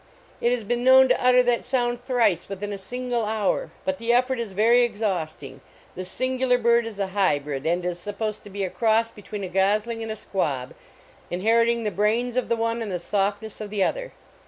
It has been known to utter that sound thrice within a single hour, but the effort is very exhausting. This sin gular bird is a hybrid, and is supposed to be a cross between a gosling and a squab, inheriting the brains of the one and the softness of the other.